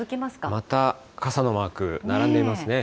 また傘のマーク、並んでいますね。